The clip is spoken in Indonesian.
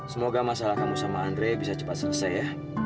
semoga masalah kamu sama andre bisa cepat selesai ya